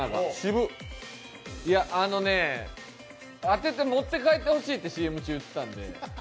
当てて持って帰ってほしいってＣＭ中言ってたんで。